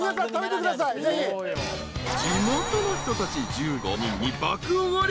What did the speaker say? ［地元の人たち１５人に爆おごり］